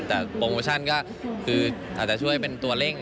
แต่โปรโมชั่นก็คืออาจจะช่วยเป็นตัวเร่ง